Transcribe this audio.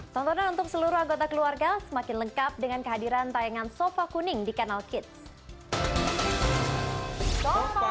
tontonan untuk seluruh anggota keluarga semakin lengkap dengan kehadiran tayangan sofa kuning di kanal kids